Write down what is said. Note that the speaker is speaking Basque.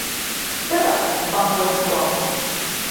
Zer da banku etikoa?